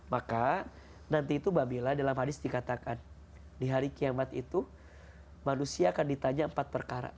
maka nanti itu mbak bila dalam hadis dikatakan di hari kiamat itu manusia akan ditanya empat perkara